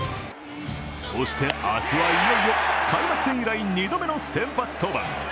そして明日はいよいよ開幕戦以来２度目の先発登板。